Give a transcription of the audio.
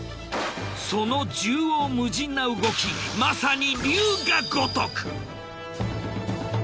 その縦横無尽な動きまさに龍が如く！